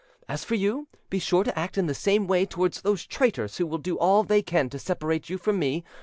As for you, be sure to act in the same way towards those traitors who will do all they can to separate you from me.